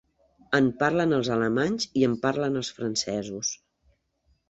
En parlen els alemanys i en parlen els francesos.